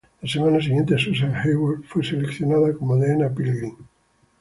La semana siguiente, Susan Heyward fue seleccionada como Deena Pilgrim.